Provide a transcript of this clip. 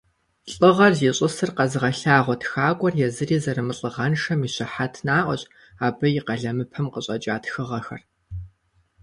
ЛӀыгъэр зищӀысыр къэзыгъэлъагъуэ тхакӀуэр езыри зэрымылӀыгъэншэм и щыхьэт наӀуэщ абы и къалэмыпэм къыщӀэкӀа тхыгъэхэр.